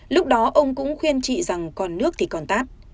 lúc đó ông cũng khuyên chị rằng còn nước thì còn tát